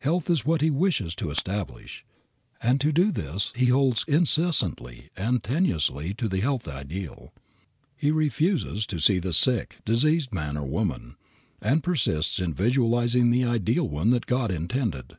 Health is what he wishes to establish, and to do this he holds insistently and tenaciously the health ideal. He refuses to see the sick, diseased man or woman, and persists in visualizing the ideal one that God intended.